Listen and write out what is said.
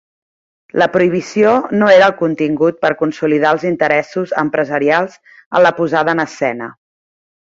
La prohibició no era el contingut per consolidar els interessos empresarials en la posada en escena.